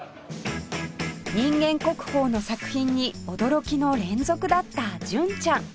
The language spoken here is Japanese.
人間国宝の作品に驚きの連続だった純ちゃん